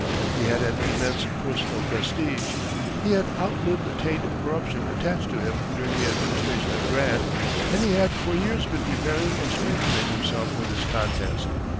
He had an immense personal prestige, he had outlived the taint of corruption attached to him during the administration of Grant, and he had for years been preparing and strengthening himself for this contest.